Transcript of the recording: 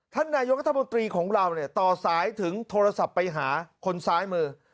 ท่านนายกรัฐมนตรีของเราเนี่ยต่อสายถึงโทรศัพท์ไปหาคนซ้ายมือ